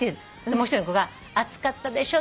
もう１人の子が「暑かったでしょ」